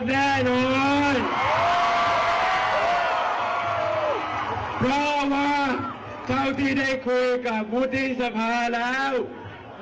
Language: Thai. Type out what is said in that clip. แน่นอนเพราะว่าเท่าที่ได้คุยกับวุฒิสภาแล้ว